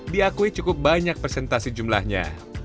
diakui cukup banyak presentasi jumlahnya